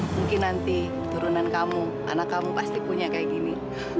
mungkin nanti turunan kamu anak kamu pasti punya kayak gini